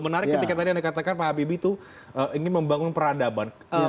menarik ketika tadi anda katakan pak habibie itu ingin membangun peradaban